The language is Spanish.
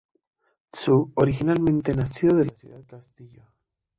Tsu originalmente nació de una ciudad castillo.